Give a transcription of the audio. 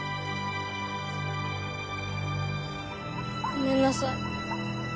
ごめんなさい。